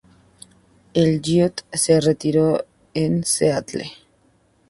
Elliott se retiró en Seattle.